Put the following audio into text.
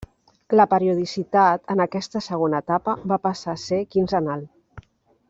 La periodicitat en aquesta segona etapa va passar a ser quinzenal.